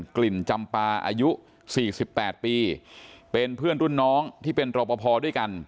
กลิ่นจำปลาอายุสี่สิบแปดปีเป็นเพื่อนรุ่นน้องที่เป็นด้วยกัน